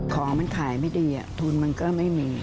ของมันขายไม่ดีทุนมันก็ไม่มี